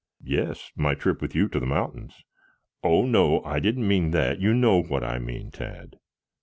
"Yes. My trip with you to the mountains." "Oh, no, I didn't mean that. You know what I mean, Tad."